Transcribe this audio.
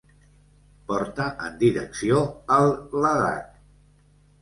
Porta en direcció al Ladakh.